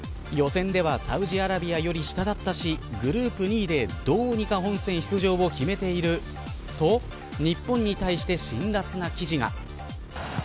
予選ではサウジアラビアより下だったしグループ２位でどうにか本戦出場を決めていると、日本に対して辛辣な記事が。